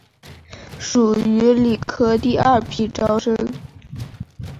属于理科第二批招生。